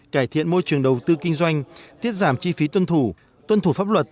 cải thiện môi trường đầu tư kinh doanh tiết giảm chi phí tuân thủ tuân thủ pháp luật